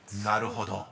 ［なるほど。